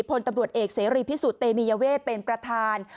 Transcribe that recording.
พลตำรวจเอกเสรีพิสุทธิ์เตมียเวทเป็นประธาน